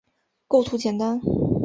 构图简单